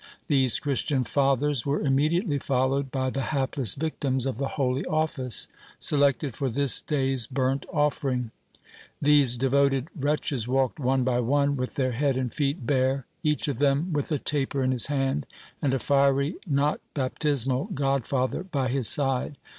These Christian fathers were immediately followed by the hapless victims of the holy office, selected for this day's burnt offering. These devoted wretches walked one by one, with their head and feet bare, each of them with a taper in his hand, and a fiery, not baptismal godfather by his side.